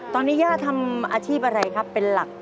ตอนนี้ย่าทำอาชีพอะไรครับเป็นหลัก